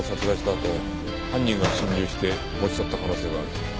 あと犯人が侵入して持ち去った可能性がある。